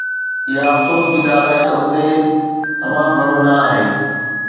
اها افسوس جي ڳالهه آهي ته اتي تمام گهڻو نه آهي